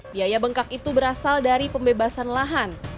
biaya bengkak itu berasal dari pembebasan lahan